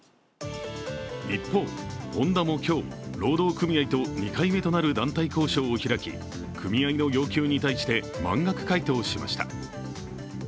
一方、ホンダも今日、労働組合と２回目となる団体交渉を開き、組合の要求に対して満額回答しました。